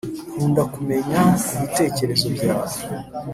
nkunda kumenya kubitekerezo byawe